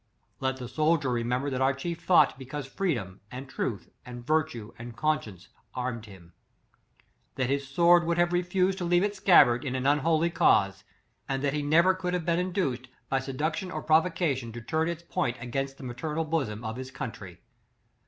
Let the soldier remem ber that our chief fought because freedom, and truth, and virtue, and conscience, arm ed him; that his sword would have refus ed to leave its scabbard in an unholy cause, and that he never could have been induced by seduction or provocation to turn its point against the maternal bosom of his country.